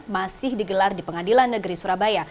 masih digelar di pengadilan negeri surabaya